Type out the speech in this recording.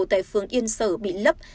tại phường yên sở bị lấp